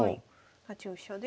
８四飛車で。